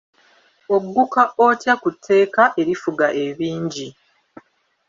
Ogguka otya ku tteeka erifuga ebingi?